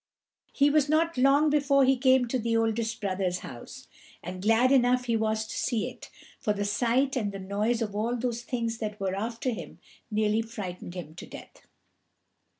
He was not long before he came to the oldest brother's house; and glad enough he was to see it, for the sight and the noise of all those things that were after him nearly frightened him to death.